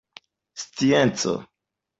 scienco